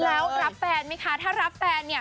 แล้วรับแฟนไหมคะถ้ารับแฟนเนี่ย